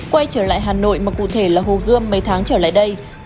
quay trở lại hà nội mà cụ thể là hồ gươm mấy tháng trở lại đây